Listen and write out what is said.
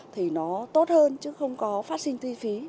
thì nó tốt hơn chứ không có phát sinh ti phí